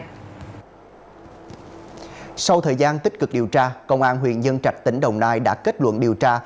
sau thời gian tích cực điều tra công an huyện nhân trạch tỉnh đồng nai đã kết luận điều tra